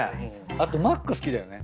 あとマック好きだよね。